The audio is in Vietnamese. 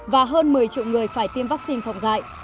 và hơn một mươi triệu người phải tiêm vaccine phòng dạy